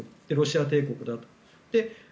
で、ロシア帝国だと。